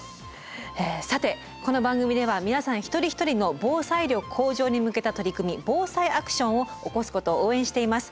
さてこの番組では皆さん一人一人の防災力向上に向けた取り組み防災アクションを起こすことを応援しています。